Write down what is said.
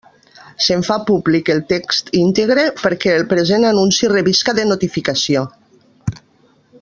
Se'n fa públic el text íntegre perquè el present anunci servisca de notificació.